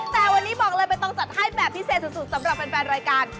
แต่วันนี้บอกเลยไม่ต้องจัดให้แบบพิเศษสุดสำหรับแฟนรายการ